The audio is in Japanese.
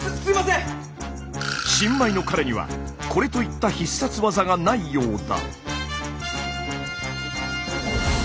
新米の彼にはこれといった必殺技がないようだ。